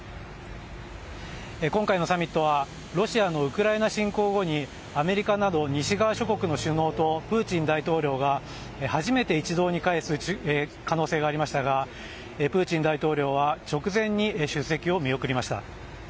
今回のサミットはロシアのウクライナ侵攻後に、アメリカなど西側諸国の首脳とプーチン大統領が初めて一堂に会す可能性がありましたが、プーチン大統領は直前に出席を見送りました。